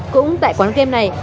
cũng tại quán game này